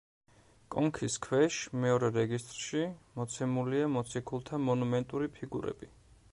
კონქის ქვეშ, მეორე რეგისტრში, მოცემულია მოციქულთა მონუმენტური ფიგურები.